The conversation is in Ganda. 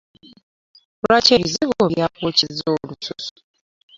Lwaki ebiziggo byakokyeza olususu?